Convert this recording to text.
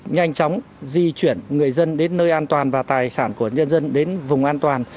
nhanh chóng di chuyển người dân đến nơi an toàn và tài sản của nhân dân đến vùng an toàn